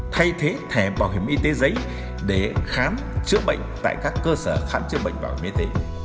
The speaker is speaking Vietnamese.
thay thế thẻ bảo hiểm y tế giấy để khám chữa bệnh tại các cơ sở khám chữa bệnh bảo hiểm y tế